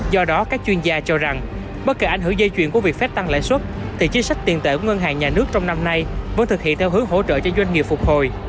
do đó các chuyên gia cho rằng bất kỳ ảnh hưởng dây chuyền của việc phép tăng lãi suất thì chính sách tiền tệ của ngân hàng nhà nước trong năm nay vẫn thực hiện theo hướng hỗ trợ cho doanh nghiệp phục hồi